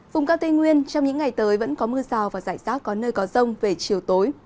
vùng cao tây nguyên trong những ngày tới vẫn có mưa rào và rải rác có nơi có rông về chiều tối